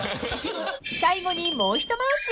［最後にもう一回し］